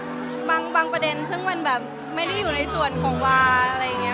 บางประเด็นซึ่งมันแบบไม่ได้อยู่ในส่วนของวาอะไรอย่างนี้